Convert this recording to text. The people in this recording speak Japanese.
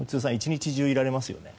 １日中いられますよね。